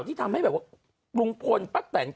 ที่ทำให้แบบว่าลุงพลป้าแตน